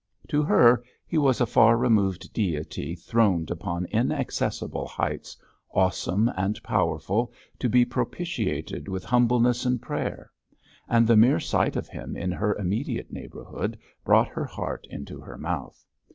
To her he was a far removed deity throned upon inaccessible heights, awesome and powerful, to be propitiated with humbleness and prayer; and the mere sight of him in her immediate neighbourhood brought her heart into her mouth.